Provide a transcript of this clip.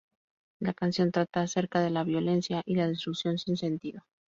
La canción trata acerca de la violencia y la destrucción sin sentido.